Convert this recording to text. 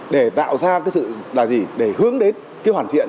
để tạo ra cái sự là gì để hướng đến cái hoàn thiện